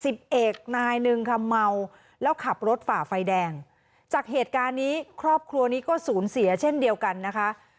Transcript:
สิบเอกนายหนึ่งค่ะเมาแล้วขับรถฝ่าไฟแดงจากเหตุการณ์นี้ครอบครัวนี้ก็สูญเสียเช่นเดียวกันนะคะ